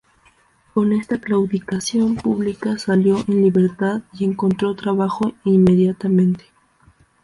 Con esta claudicación pública salió en libertad y encontró trabajo inmediatamente.